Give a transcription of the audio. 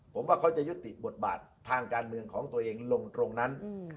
ผมว่าเขาจะยุติบทบาททางการเมืองของตัวเองลงตรงนั้น